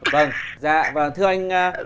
vâng thưa anh